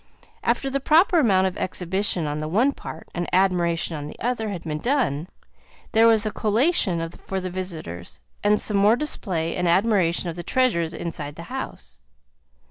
After the proper amount of exhibition on the one part, and admiration on the other, had been done, there was a collation for the visitors, and some more display and admiration of the treasures inside the house.